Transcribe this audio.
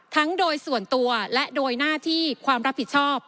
โดยส่วนตัวและโดยหน้าที่ความรับผิดชอบ